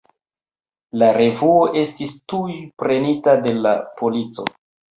La revuo estis tuj prenita de la polico.